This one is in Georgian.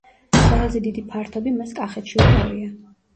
ყველაზე დიდი ფართობი მას კახეთში უკავია.